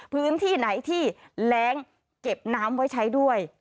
พื้นที่ไหนที่แร้งเก็บน้ำไว้ใช้ด้วย